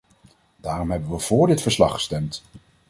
Daarom hebben we vóór dit verslag gestemd.